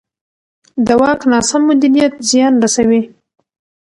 د واک ناسم مدیریت زیان رسوي